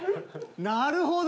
なるほど。